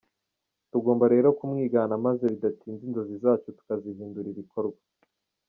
Tugomba rero kumwigana maze bidatinze inzozi zacu tukazihindura ibikorwa.